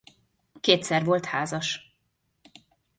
Kétszer volt házas.